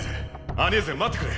アニェーゼ待ってくれ。